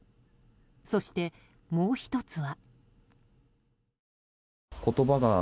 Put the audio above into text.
そして、もう１つは。